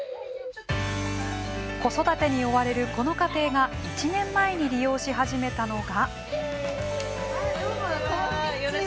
子育てに追われるこの家庭が１年前に利用し始めたのが。